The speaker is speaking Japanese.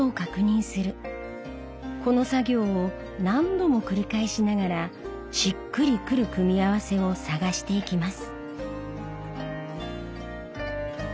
この作業を何度も繰り返しながらしっくりくる組み合わせを探していきます。